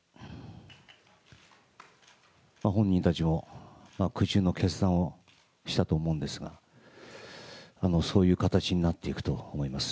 本人たちも苦渋の決断をしたと思うんですが、そういう形になっていくと思います。